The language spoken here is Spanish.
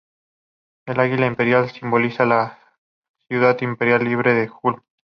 El águila imperial simboliza la ciudad imperial libre de Ulm.